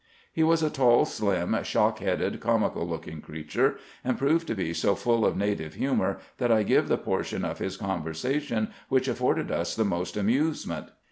He was a tall, slim, shock headed, comical looking creature, and proved to be so full of native humor that I give the portion of his conversation which afforded us the most amusement.